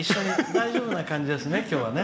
大丈夫な感じですね、今日は。